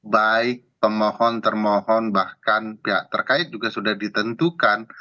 baik pemohon termohon bahkan pihak terkait juga sudah ditentukan